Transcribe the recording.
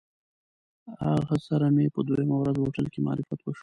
له هغه سره مې په دویمه ورځ هوټل کې معرفت وشو.